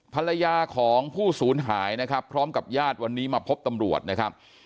ภรรยาของผู้สูญหายนะครับพร้อมกับญาติวันนี้มาพบตำรวจนะครับ